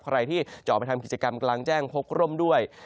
ใครที่จะออกไปทำกิจกรรมกลางแจ้งพกร่มด้วย